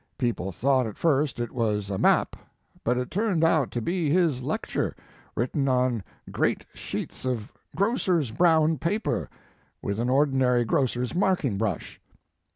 People thought at first it was a map, but it turned out to be his lecture written on great sheets of grocers brown paper, with an ordinary grocers marking brush.